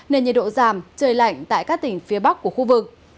nên nhiệt độ giảm trời lạnh tại các tỉnh phía bắc của khu vực